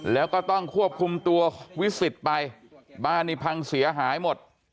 แล้วก็ต้องควบคุมตัววิสิทธิ์ไปบ้านนี้พังเสียหายหมด